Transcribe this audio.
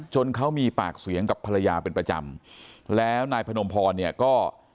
เขามีปากเสียงกับภรรยาเป็นประจำแล้วนายพนมพรเนี่ยก็